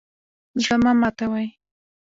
زړه مه ماتوئ